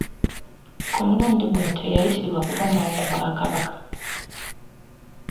Ku mulundi guno teyayitibwa kukomawo ku Bwakabaka.